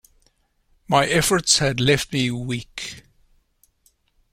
My efforts had left me weak.